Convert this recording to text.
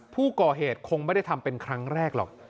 ผู้ก่อเหตุคงไม่ได้ทำเป็นครั้งแรกหรอก